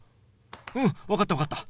うん分かった分かった。